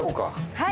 はい。